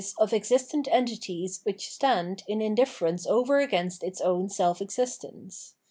of existent entities which stand in indifference over against its own self existence.